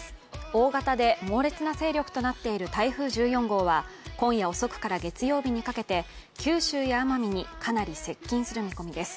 大型で猛烈な勢力となっている台風１４号は今夜遅くから月曜日にかけて、九州や奄美にかなり接近する見込みです。